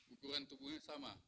ukuran tubuhnya sama